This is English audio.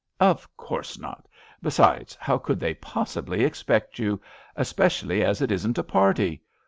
" Of course not ; besides, how could they possibly expect you — especially as it isn't a party?